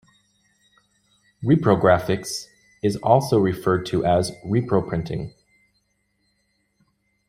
Reprographics is also referred to as "Reproprinting".